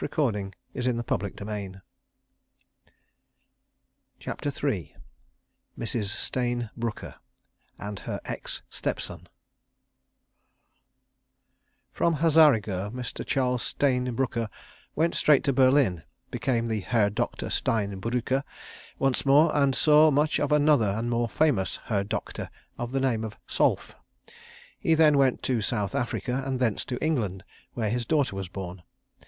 His daughter, alas! but also hers. CHAPTER III Mrs. Stayne Brooker—and Her Ex Stepson From Hazarigurh Mr. Charles Stayne Brooker went straight to Berlin, became the Herr Doktor Stein Brücker once more, and saw much of another and more famous Herr Doktor of the name of Solf. He then went to South Africa and thence to England, where his daughter was born.